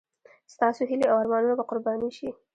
ستاسو هیلې او ارمانونه به قرباني شي.